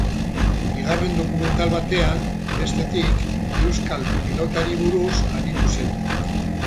Bigarren dokumental batean, bestetik, euskal pilotari buruz aritu zen.